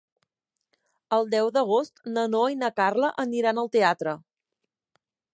El deu d'agost na Noa i na Carla aniran al teatre.